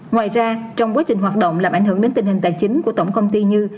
ngoài ra trong quá trình hoạt động làm ảnh hưởng đến tình hình tài chính của tổng công ty như